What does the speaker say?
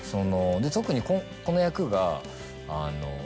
で特にこの役が。